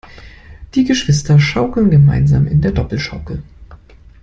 Die Geschwister schaukeln gemeinsam in der Doppelschaukel.